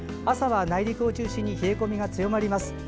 朝は内陸を中心に冷え込みが強まります。